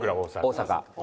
大阪。